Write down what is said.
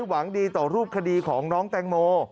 หวังดีต่อรูปคดีของน้องแตงโม